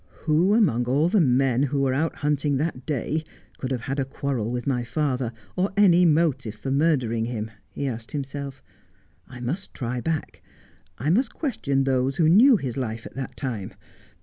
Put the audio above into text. ' Who among all the men who were out hunting that day could have had a quarrel with my father, or any motive for murdering him ]' he asked himself. 1 1 must try back. I must question those who knew his life at that time.